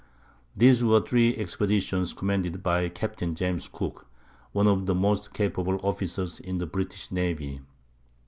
These were the three expeditions commanded by Captain James Cook, one of the most capable officers in the British navy.